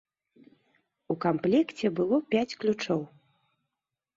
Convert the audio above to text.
У камплекце было пяць ключоў.